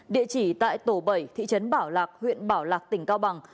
địa chỉ tại tổ bảy thị trấn bảo lạc huyện bảo lạc tỉnh cao bằng